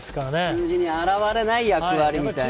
数字に現れない役割というか。